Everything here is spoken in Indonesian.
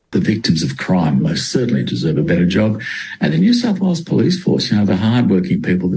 pembuluhan penyelidikan kejahatan rasial lgbt